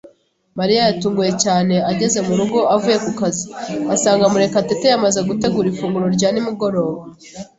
Mariya yatunguwe cyane, ageze mu rugo avuye ku kazi, asanga Murekatete yamaze gutegura ifunguro rya nimugoroba.